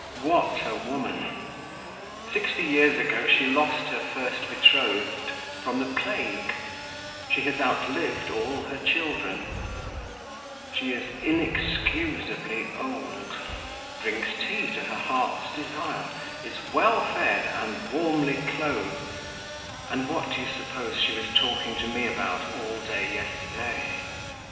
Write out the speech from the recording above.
What a woman! Sixty years ago she lost her first betrothed from the plague, she has outlived all her children, she is inexcusably old, drinks tea to her heart's desire, is well fed, and warmly clothed; and what do you suppose she was talking to me about, all day yesterday?